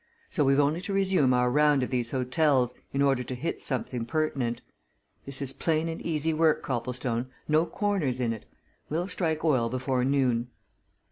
So we've only to resume our round of these hotels in order to hit something pertinent. This is plain and easy work, Copplestone no corners in it. We'll strike oil before noon."